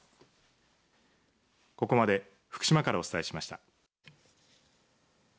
ここまで福島からお伝えしました。